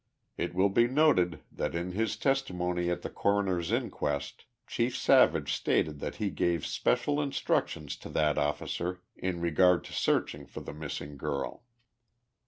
It will be noted that in his testimony at the Coro ner's inquest Chief Savage stated that he gave special instruc 44 THE LIFE OF JESSE 1IARDIXG POMEROY. tions to that officer in regard to searching for the missing girl.